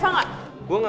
eh boleh tereva gak